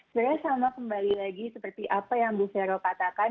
sebenarnya sama kembali lagi seperti apa yang bu vero katakan